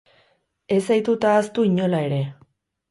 Ez zaitut ahaztu, inola ere.